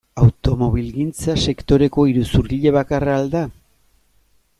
Automobilgintza sektoreko iruzurgile bakarra al da?